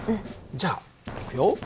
じゃあいくよ。